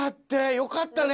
よかったね。